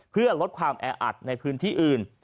เพื่อลดความแออัดในพื้นที่อื่น